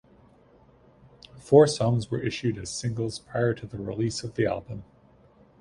Four songs were issued as singles prior to the release of the album.